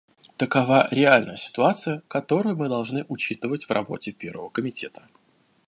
Такова реальная ситуация, которую мы должны учитывать в работе Первого комитета.